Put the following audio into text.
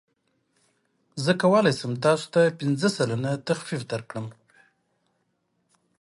زه کولی شم تاسو ته پنځه سلنه تخفیف درکړم.